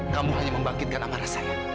kamu hanya membangkitkan amarah saya